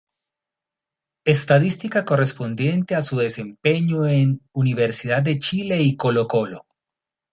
Estadística correspondiente a su desempeño en Universidad de Chile y Colo-Colo.